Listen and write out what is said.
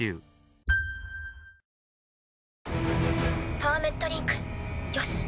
パーメットリンクよし。